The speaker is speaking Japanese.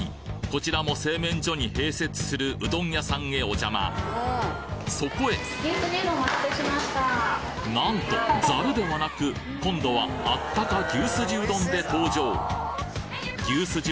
こちらも製麺所に併設するうどん屋さんへお邪魔そこへなんとざるではなく今度はあったか牛すじうどんで登場牛すじ